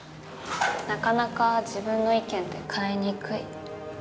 なかなか自分の意見って変えにくい。